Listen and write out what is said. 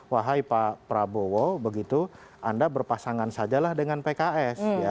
wahai pak prabowo begitu anda berpasangan sajalah dengan pks